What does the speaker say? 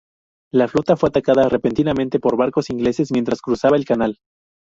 La flota fue atacada repetidamente por barcos ingleses mientras cruzaba el canal.